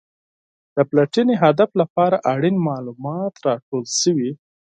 د پلټنې هدف لپاره اړین معلومات راټول شوي.